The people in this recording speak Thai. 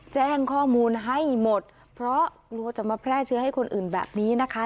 แจ้งข้อมูลให้หมดเพราะกลัวจะมาแพร่เชื้อให้คนอื่นแบบนี้นะคะ